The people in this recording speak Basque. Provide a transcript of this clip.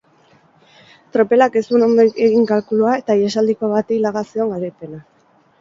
Tropelak ez zuen ondo egin kalkulua eta ihesaldiko bati laga zion garaipena.